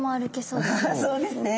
そうですね。